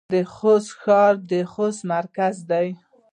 د خوست ښار د خوست مرکز دی